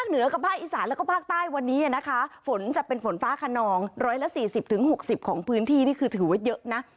ในภายอีสานและภาคใต้วันนี้นะคะฝนจะเป็นฝนฟ้าคนอง๑๔๐๖๐ของพื้นที่ที่ถือว่าเยอะนะ